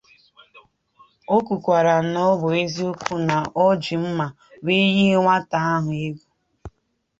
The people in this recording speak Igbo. O kwukwara na ọ bụ eziokwu na o jiri mma wee yie nwata ahụ égwù